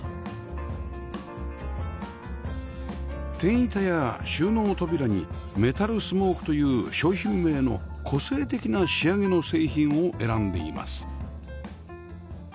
天板や収納扉にメタルスモークという商品名の個性的な仕上げの製品を選んでいます